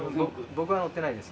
僕は乗ってないです。